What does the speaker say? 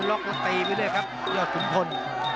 ล็อคมันตีไปเลยครับยอดฝุ่นพล